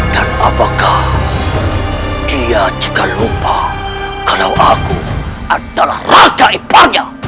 dan apakah dia juga lupa kalau aku adalah raga iparnya